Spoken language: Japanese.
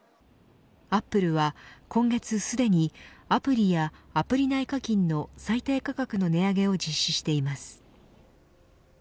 アップルは今月すでにアプリやアプリ内課金の最低価格の値上げを実施しています。